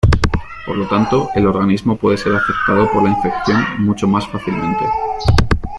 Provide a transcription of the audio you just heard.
Por lo tanto, el organismo puede ser afectado por la infección mucho más fácilmente.